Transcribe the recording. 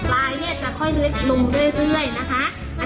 ลายจะค่อยลึกลงเรื่อยนะคะ